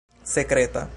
sekreta